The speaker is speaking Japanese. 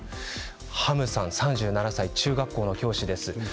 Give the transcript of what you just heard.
ハムさん３７歳中学校の教師です。